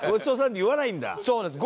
そうなんです。